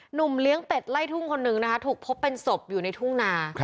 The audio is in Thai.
เลี้ยงเป็ดไล่ทุ่งคนนึงนะคะถูกพบเป็นศพอยู่ในทุ่งนา